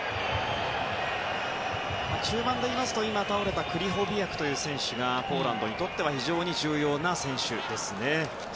中盤でいうとクリホビアクという選手がポーランドにとっては非常に重要な選手ですね。